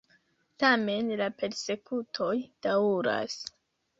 Tamen la persekutoj daŭras.